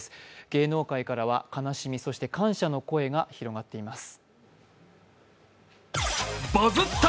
芸能界からは悲しみ、そして感謝の声が広がっています。